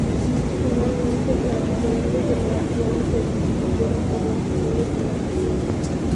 Finalmente las diferentes delegaciones se distribuyeron por los hoteles de la región.